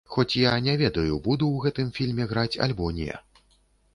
Хоць я не ведаю, буду ў гэтым фільме граць альбо не.